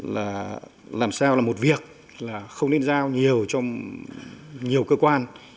làm sao là một việc không nên giao nhiều cho nhiều cơ quan